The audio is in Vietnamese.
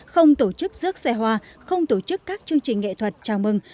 không tổ chức rước xe hoa không tổ chức các chương trình nghệ thuật chào mừng